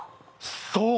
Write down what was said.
そう！